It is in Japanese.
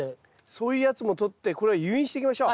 そういうやつもとってこれを誘引していきましょう。